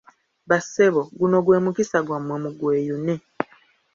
Bassebo, guno gwe mukisa gwammwe mugweyune!